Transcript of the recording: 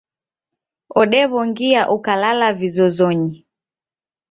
Odewongia ukalala vizozonyi